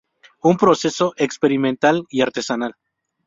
Un proceso experimental y artesanal.